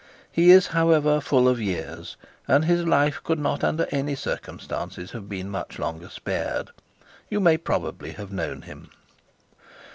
He is, however, full of years, and his life could not under any circumstances have been much longer spared. You may probably have known him.